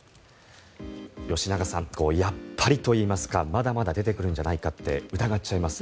吉永さん、やっぱりといいますかまだまだ出てくるんじゃないかって疑っちゃいますね。